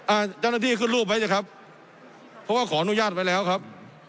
อ่าเจ้าหน้าที่ขึ้นรูปไว้เถอะครับเพราะว่าขออนุญาตไว้แล้วครับ